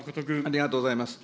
ありがとうございます。